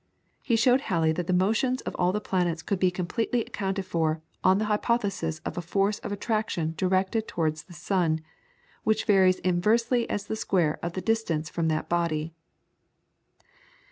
He showed Halley that the motions of all the planets could be completely accounted for on the hypothesis of a force of attraction directed towards the sun, which varies inversely as the square of the distance from that body.